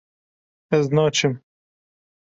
ez naçim